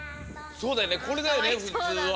そうだよねこれだよねふつうは。